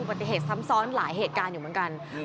ปฏิเหตุซ้ำซ้อนหลายเหตุการณ์อยู่เหมือนกัน